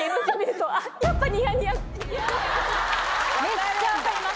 めっちゃ分かります。